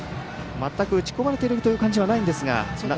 打ち込まれているという感じはないんですが。